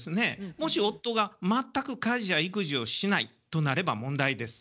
もし夫が全く家事や育児をしないとなれば問題です。